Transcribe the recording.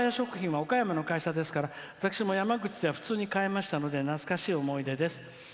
岡山の会社ですから私も山口では普通に買いましたので懐かしい思い出です。